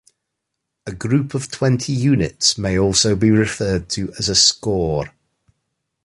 A group of twenty units may also be referred to as a score.